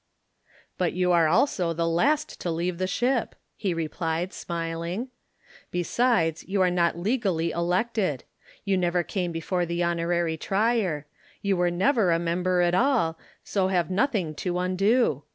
"But you are also the last to leave the ship," he replied, smiling. "Besides, you are not legally elected. You never came before the Honorary Trier. You were never a member at all, so have nothing to undo.